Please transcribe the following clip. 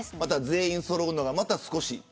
全員そろうのが、また少し。